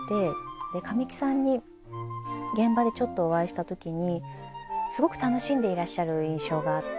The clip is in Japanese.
で神木さんに現場でちょっとお会いした時にすごく楽しんでいらっしゃる印象があって。